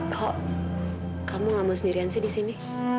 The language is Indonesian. kok kamu ngelamun sendirian sih disini